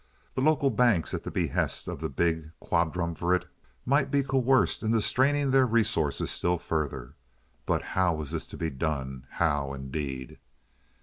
The local banks at the behest of the big quadrumvirate might be coerced into straining their resources still further. But how was this to be done? How, indeed?